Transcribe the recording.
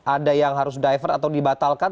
ada yang harus diver atau dibatalkan